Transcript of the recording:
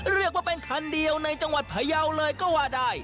เรียกว่าเป็นคันเดียวในจังหวัดพยาวเลยก็ว่าได้